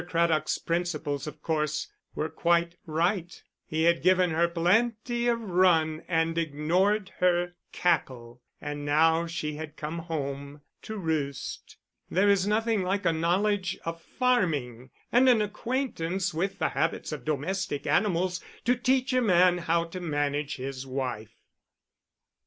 Craddock's principles, of course, were quite right; he had given her plenty of run and ignored her cackle, and now she had come home to roost. There is nothing like a knowledge of farming, and an acquaintance with the habits of domestic animals, to teach a man how to manage his wife.